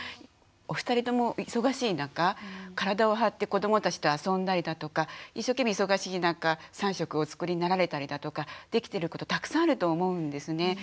お二人とも忙しい中体を張って子どもたちと遊んだりだとか一生懸命忙しい中３食をお作りになられたりだとかできてることたくさんあると思うんですね。